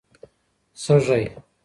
سږی